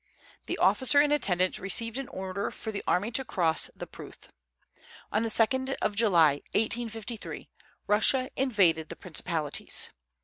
The officer in attendance received an order for the army to cross the Pruth. On the 2d of July, 1853, Russia invaded the principalities.